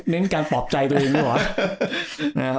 เน้นการปอบใจไปเร็วมิหรอ